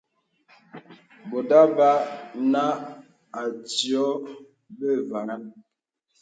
Bòt àvā nà àdiò bə vaŋhaŋ.